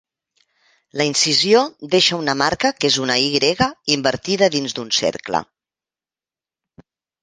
La incisió deixa una marca que és una Y invertida dins d'un cercle.